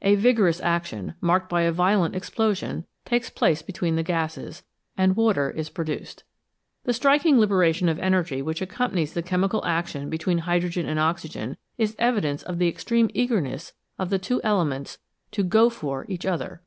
A vigorous action, marked by a violent explosion, takes place between the gases, and water is produced. The striking liberation of energy which accompanies the chemical action between hydrogen and oxygen is evidence of the extreme eagerness of the two elements to " go for " each other.